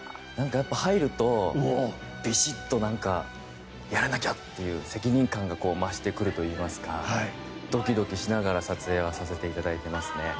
入るとビシッとやらなきゃ！っていう責任感が増してくるといいますかドキドキしながら撮影をさせていただいています。